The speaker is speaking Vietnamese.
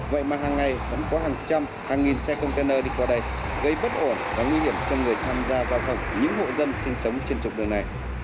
vẫn có hàng trăm hàng nghìn xe container đi qua đây gây bất ổn và nguy hiểm cho người tham gia giao thông những hộ dân sinh sống trên trục đường này